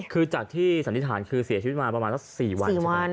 คือจากที่สันนิษฐานคือเสียชีวิตมาประมาณสัก๔วัน